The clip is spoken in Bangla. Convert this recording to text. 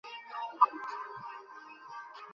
আপনার পা কোথায় ভাই?